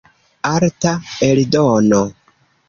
Arta eldono.